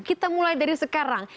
kita mulai dari sekarang